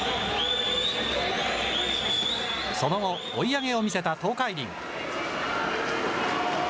その後、追い上げを見せた東海林。